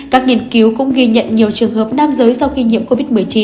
các nghiên cứu cũng ghi nhận nhiều trường hợp nam giới sau khi nhiễm covid một mươi chín